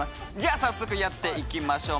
早速やっていきましょう。